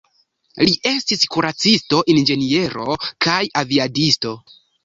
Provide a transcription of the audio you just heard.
Li estis kuracisto, inĝeniero kaj aviadisto.